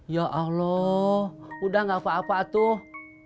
ya allah udah gak apa apa tuh